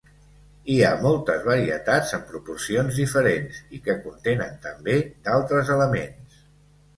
Hi ha moltes varietats amb proporcions diferents i que contenen també d'altres elements.